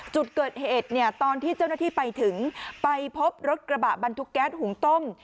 จุดเกิดเหตุเนี่ยตอนที่เจ้าหน้าที่ไปถึงไปพบรถกระบะบรรทุกแก๊สหุงต้ม